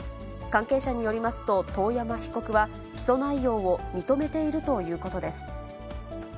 関係者によりますと、遠山被告は、起訴内容を認めているということです。